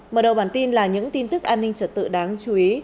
mở đầu bản tin là những tin tức an ninh trật tự đáng chú ý